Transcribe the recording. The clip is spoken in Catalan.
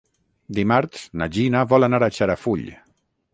Dimarts na Gina vol anar a Xarafull.